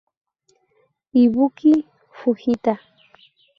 Ibuki Fujita